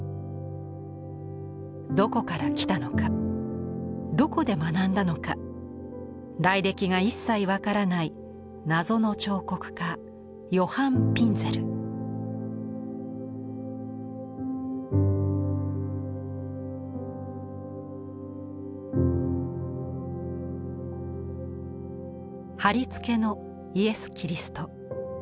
どこから来たのかどこで学んだのか来歴が一切分からない謎の彫刻家はりつけのイエス・キリスト。